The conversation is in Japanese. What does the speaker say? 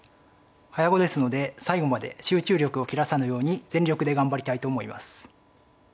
早碁ですので最後まで集中力を切らさぬように全力で頑張りたいと思います。